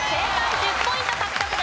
１０ポイント獲得です。